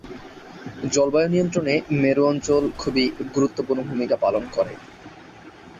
জলবায়ু নিয়ন্ত্রণে মেরু অঞ্চল খুবই গুরুত্বপূর্ণ ভূমিকা পালন করে।